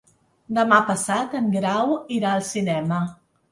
Demà passat en Grau irà al cinema.